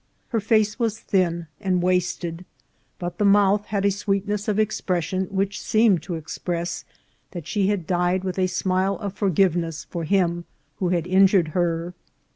Her face was thin and wasted, but the mouth had a sweet ness of expression which seemed to express that she had died with a smile of forgiveness for him who had injured her.